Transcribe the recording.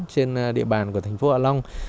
trên địa bàn của thành phố hạ long